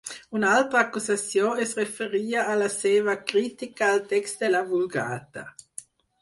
Una altra acusació es referia a la seva crítica al text de la Vulgata.